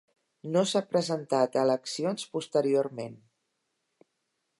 No s'ha presentat a eleccions posteriorment.